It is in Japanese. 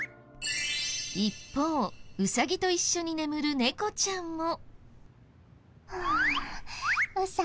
一方ウサギと一緒に眠る猫ちゃんも。